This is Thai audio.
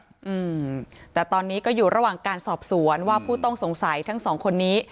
อืมแต่ตอนนี้ก็อยู่ระหว่างการสอบสวนว่าผู้ต้องสงสัยทั้งสองคนนี้